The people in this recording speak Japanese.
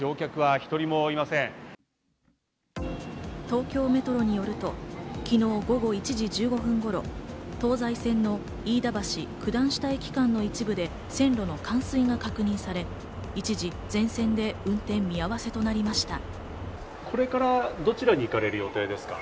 東京メトロによると、昨日、午後１時１５分頃、東西線の飯田橋ー九段下駅間の一部で、線路の冠水が確認され、一時、全線で運転見合わせとなりました。